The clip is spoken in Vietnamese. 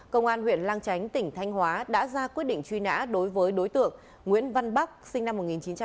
công an huyện lang chánh tỉnh thanh hóa đã ra quyết định truy nã đối với đối tượng nguyễn văn bắc sinh năm một nghìn chín trăm tám mươi